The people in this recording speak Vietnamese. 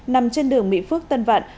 nằm trên đường mỹ phước tân văn